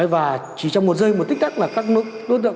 và chỉ trong một giây một tích tắc là các đối tượng